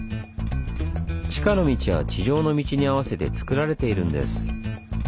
地下の道は地上の道に合わせてつくられているんです。